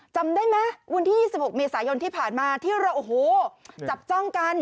จำได้ไหมวันที่๒๖เมษายนที่ผ่านมาที่เราโอ้โหจับจ้องกัน